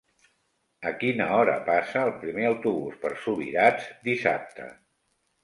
A quina hora passa el primer autobús per Subirats dissabte?